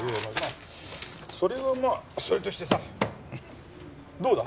あそれはまあそれとしてさどうだ？